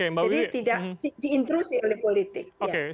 jadi tidak diintrusi oleh politik